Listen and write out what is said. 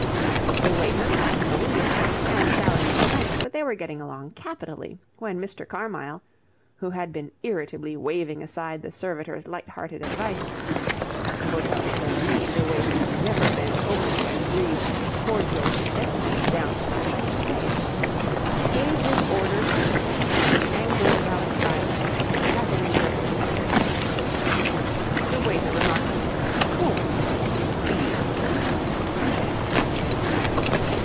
The waiter talked no English and Sally no French, but they were getting along capitally, when Mr. Carmyle, who had been irritably waving aside the servitor's light hearted advice at the Hotel Splendide the waiters never bent over you and breathed cordial suggestions down the side of your face gave his order crisply in the Anglo Gallic dialect of the travelling Briton. The waiter remarked, "Boum!" in a pleased sort of way, and vanished.